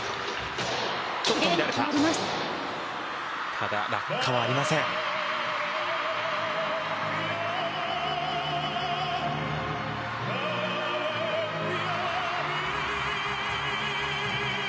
ただ、落下はありませんでした。